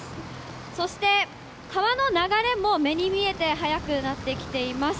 そして川の流れも目に見えて速くなってきています。